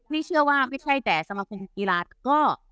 นี่เชื่อว่าไม่ใช่แต่สมาคมกีฬาก็